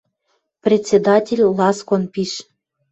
Председатель ласкон пиш